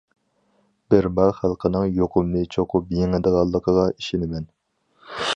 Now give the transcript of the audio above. بىرما خەلقىنىڭ يۇقۇمنى چوقۇم يېڭىدىغانلىقىغا ئىشىنىمەن.